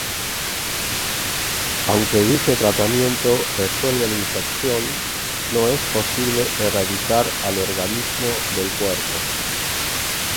Aunque dicho tratamiento resuelve la infección, no es posible erradicar al organismo del cuerpo.